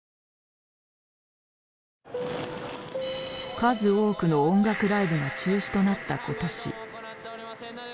数多くの音楽ライブが中止となった今年。